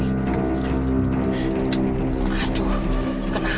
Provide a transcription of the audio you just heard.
jangan jangan ada yang nggak beres nih